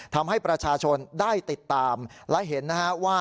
ทำให้ประชาชนได้ติดตามและเห็นนะฮะว่า